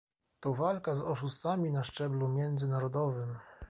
To walka z oszustami na szczeblu międzynarodowym